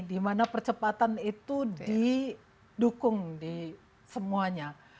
dimana percepatan itu didukung di semuanya